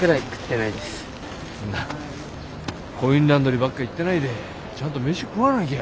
なコインランドリーばっか行ってないでちゃんと飯食わなきゃ。